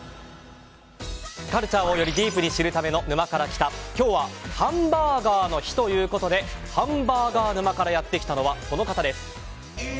カルチャーをよりディープに知るための「沼から来た。」、今日はハンバーガーの日ということでハンバーガー沼からやってきたのは、この方です。